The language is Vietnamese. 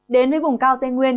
đến với vùng cao tây nguyên